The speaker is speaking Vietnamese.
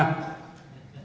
chứng cứ thứ hai